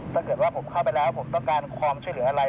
ถ้าเกิดว่าผมเข้าไปแล้วผมต้องการความช่วยเหลืออะไร